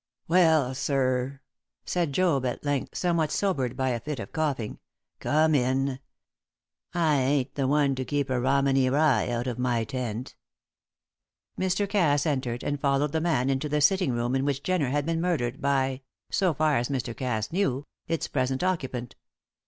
"Well, sir," said Job, at length, somewhat sobered by a fit of coughing; "come in. I ain't the one to keep a Romany Rye out of my tent." Mr. Cass entered, and followed the man into the sitting room in which Jenner had been murdered by so far as Mr. Cass knew its present occupant.